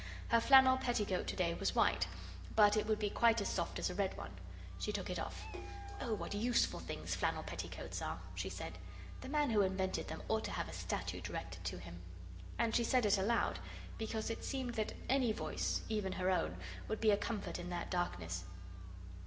Her flannel petticoat to day was white, but it would be quite as soft as a red one. She took it off. "Oh, what useful things flannel petticoats are!" she said; "the man who invented them ought to have a statue directed to him." And she said it aloud, because it seemed that any voice, even her own, would be a comfort in that darkness.